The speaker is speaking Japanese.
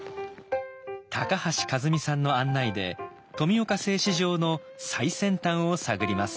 高橋一美さんの案内で富岡製糸場の最先端を探ります。